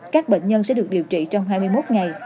các bệnh nhân sẽ được điều trị trong hai mươi một ngày